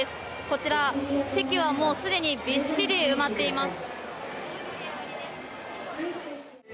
こちら、席はもうすでにびっしり埋まっています。